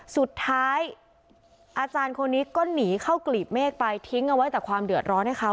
สุดท้ายอาจารย์คนนี้ก็หนีเข้ากลีบเมฆไปทิ้งเอาไว้แต่ความเดือดร้อนให้เขา